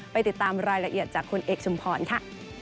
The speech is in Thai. ไปติดตามรายละเอียดจากคุณเอกชุมพรค่ะ